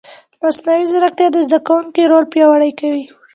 مصنوعي ځیرکتیا د زده کوونکي رول پیاوړی کوي.